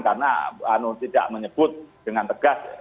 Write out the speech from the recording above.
karena tidak menyebut dengan tegas